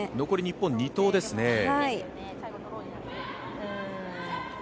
残り日本、２投ですね。